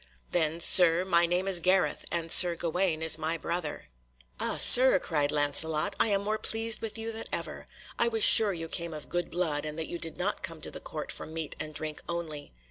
"Then, Sir, my name is Gareth, and Sir Gawaine is my brother." "Ah, Sir," cried Lancelot, "I am more pleased with you than ever. I was sure you came of good blood, and that you did not come to the Court for meat and drink only."